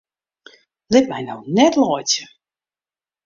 Lit my no net laitsje!